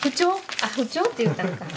あっ不調って言ったんか。